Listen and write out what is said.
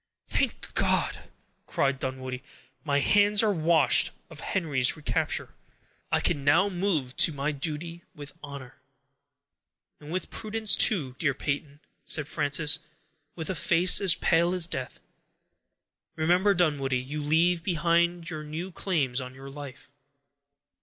"Thank God!" cried Dunwoodie, "my hands are washed of Henry's recapture; I can now move to my duty with honor." "And with prudence, too, dear Peyton," said Frances, with a face as pale as death. "Remember, Dunwoodie, you leave behind you new claims on your life."